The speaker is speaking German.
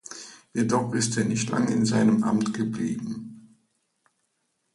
Jedoch ist er nicht lange in seinem Amt geblieben.